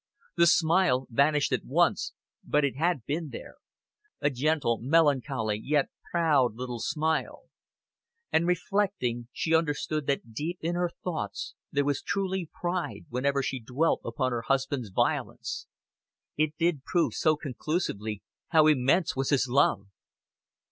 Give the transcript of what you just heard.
The smile vanished at once, but it had been there a gentle, melancholy, yet proud little smile. And reflecting, she understood that deep in her thoughts there was truly pride whenever she dwelt upon her husband's violence. It did prove so conclusively how immense was his love.